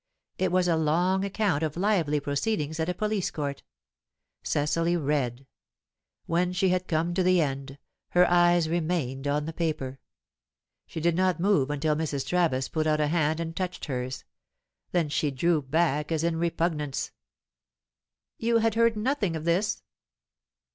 It was a long account of lively proceedings at a police court. Cecily read. When she had come to the end, her eyes remained on the paper. She did not move until Mrs. Travis put out a hand and touched hers; then she drew back, as in repugnance. "You had heard nothing of this?"